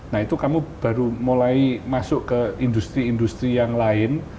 nah itu kamu baru mulai masuk ke industri industri yang lain